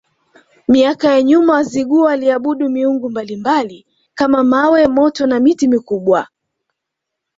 Miaka ya nyuma Wazigua waliabudu miungu mbalimbali kama mawe moto na miti mikubwa